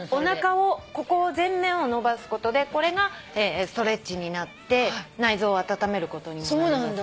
ここを前面を伸ばすことでこれがストレッチになって内臓をあたためることにもなります。